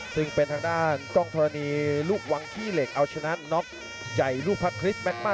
ซึ่งเป็นทางด้านกล้องธรณีลูกวังขี้เหล็กเอาชนะน็อกใหญ่ลูกพัดคริสต์แม็กมา